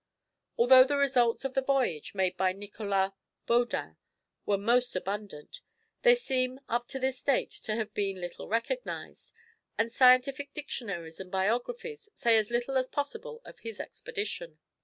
Although the results of the voyage made by Nicolas Baudin were most abundant, they seem up to this date to have been little recognized, and scientific dictionaries and biographies say as little as possible of his expedition.